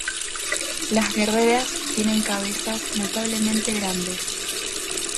Las guerreras tienen cabezas notablemente grandes.